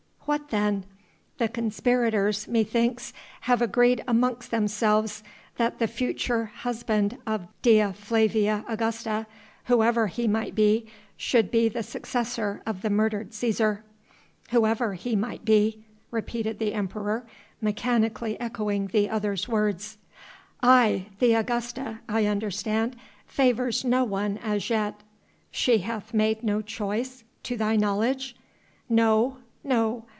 "What then?" "The conspirators, methinks, have agreed amongst themselves that the future husband of Dea Flavia Augusta whoever he might be should be the successor of the murdered Cæsar." "Whoever he might be," repeated the Emperor, mechanically echoing the other's words. "Aye! The Augusta, I understand, favours no one as yet." "She hath made no choice ... to thy knowledge?" "No, no